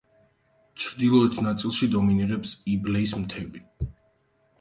ჩრდილოეთ ნაწილში დომინირებს იბლეის მთები.